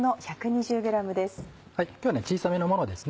今日は小さめのものですね。